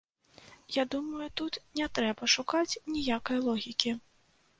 Я думаю, тут не трэба шукаць ніякай логікі.